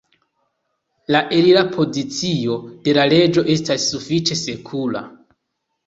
La elira pozicio de la reĝo estas sufiĉe sekura.